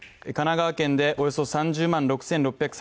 神奈川県でおよそ３０万６６３０軒